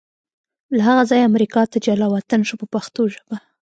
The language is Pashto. له هغه ځایه امریکا ته جلا وطن شو په پښتو ژبه.